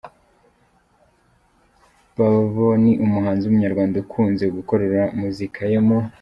Babo ni umuhanzi w'umunyarwanda ukunze gukorera muzika ye mu